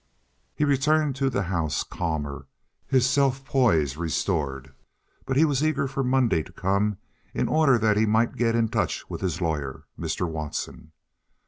He returned to the house calmer, his self poise restored, but he was eager for Monday to come in order that he might get in touch with his lawyer, Mr. Watson.